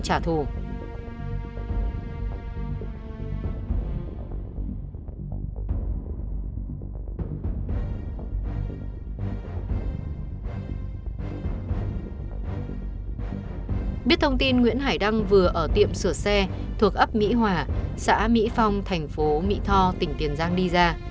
công tin nguyễn hải đăng vừa ở tiệm sửa xe thuộc ấp mỹ hòa xã mỹ phong thành phố mỹ tho tỉnh tiền giang đi ra